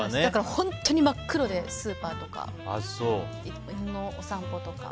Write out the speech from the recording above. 本当に真っ黒でスーパーとか犬のお散歩とか。